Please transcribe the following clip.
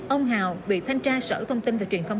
ông hào bị thanh tra sở thông tin và truyền thông